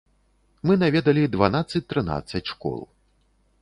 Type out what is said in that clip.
Мы наведалі дванаццаць-трынаццаць школ.